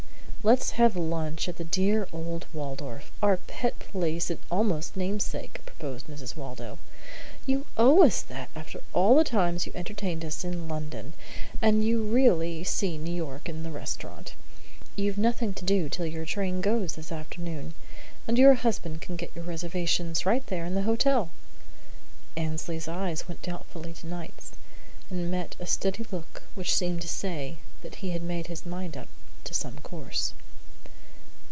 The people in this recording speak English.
"Let's have lunch at the dear old Waldorf, our pet place and almost namesake," proposed Mrs. Waldo. "You owe us that, after all the times you entertained us in London; and you really see New York in the restaurant. You've nothing to do till your train goes this afternoon, and your husband can get your reservations right there in the hotel." Annesley's eyes went doubtfully to Knight's, and met a steady look which seemed to say that he had made up his mind to some course.